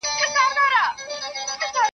غيرتي ډبرين زړونه .